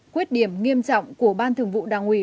khuyết điểm nghiêm trọng của ban thường vụ đảng ủy